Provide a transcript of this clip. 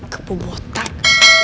ke bubuk otak